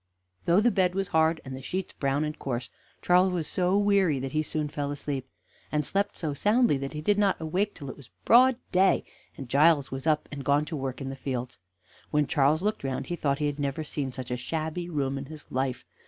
Though the bed was hard, and the sheets brown and coarse, Charles was so weary that he soon fell asleep, and slept so soundly that he did not awake till it was broad day, and Giles was up and gone to work in the fields. When Charles looked round he thought he had never seen such a shabby room in his life.